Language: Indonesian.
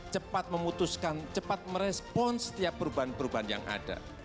cepat memutuskan cepat merespon setiap perubahan perubahan yang ada